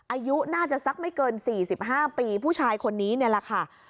อายุน่าจะสักไม่เกิน๔๕ปีผู้ชายคนนี้นี่แหละค่ะ